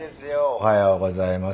おはようございます。